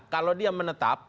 kalau dia menetap